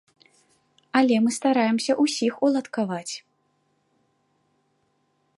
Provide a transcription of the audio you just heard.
Але мы стараемся ўсіх уладкаваць.